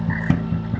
aku mau ke sana